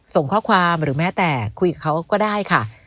ส่งข้อความหรือแม้แต่คุยกับเขาก็ได้ค่ะ